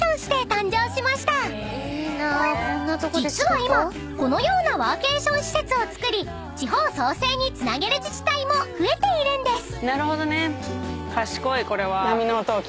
［実は今このようなワーケーション施設を造り地方創生につなげる自治体も増えているんです］